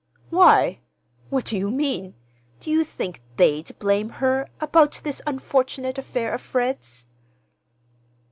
"Why? What do you mean? Do you think they'd blame her—about this unfortunate affair of Fred's?"